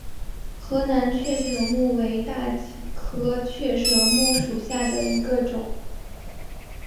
海南雀舌木为大戟科雀舌木属下的一个种。